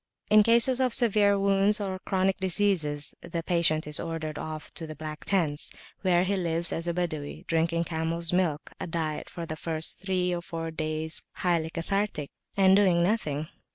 In cases of severe wounds or chronic diseases, the patient is ordered off to the Black Tents, where he lives as a Badawi, drinking camels' milk (a diet for the first three or four days highly cathartic), and doing nothing.